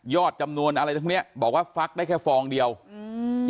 จำนวนอะไรตรงเนี้ยบอกว่าฟักได้แค่ฟองเดียวอืม